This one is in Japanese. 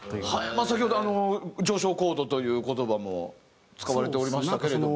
まあ先ほどあの上昇コードという言葉も使われておりましたけれども。